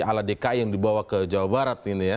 aladeka yang dibawa ke jawa barat